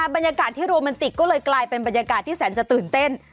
บรรยากาศที่โรแมนติกก็เลยกลายเป็นบรรยากาศที่แสนจะตื่นเต้น